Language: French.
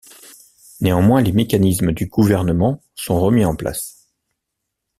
Néanmoins, les mécanismes du gouvernement sont remis en place.